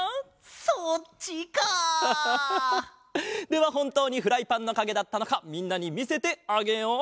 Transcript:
ではほんとうにフライパンのかげだったのかみんなにみせてあげよう。